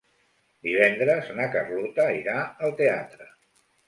Divendres na Carlota irà al teatre.